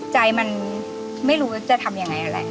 ใจมันไม่รู้จะทำยังไงอะไร